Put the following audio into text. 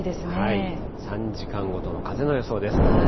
３時間ごとの風の予想です。